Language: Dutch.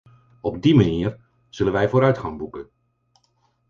Op die manier zullen wij vooruitgang boeken.